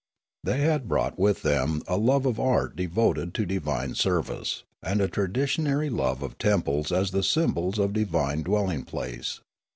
The}' had brought with them a love of art devoted to divine service, and a traditionary love of temples as the symbols of the divine dwelling place.